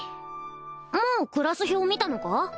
もうクラス表見たのか？